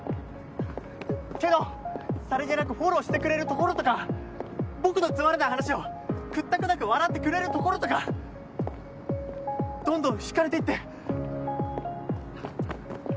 けど、さりげなくフォローしてくれるところとか僕のくだらない話も屈託なく笑ってくれるところとかどんどんひかれていって。